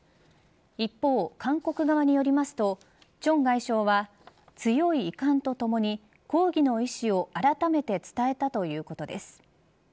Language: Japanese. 一方、韓国側によりますと鄭外相は強い遺憾とともに抗議の意思をあらためて伝えたということです。